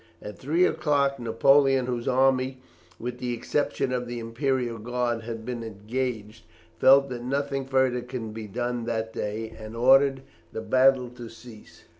At three o'clock Napoleon, whose whole army, with the exception of the Imperial Guard, had been engaged, felt that nothing further could be done that day, and ordered the battle to cease.